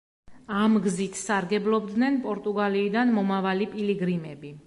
ამ გზით სარგებლობდნენ პორტუგალიიდან მომავალი პილიგრიმები.